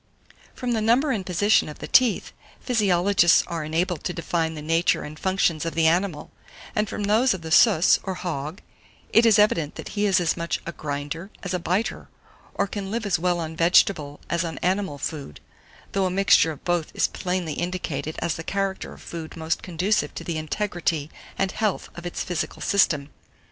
766. FROM THE NUMBER AND POSITION OF THE TEETH, physiologists are enabled to define the nature and functions of the animal; and from those of the Sus, or hog, it is evident that he is as much a grinder as a biter, or can live as well on vegetable as on animal food; though a mixture of both is plainly indicated as the character of food most conducive to the integrity and health of its physical system.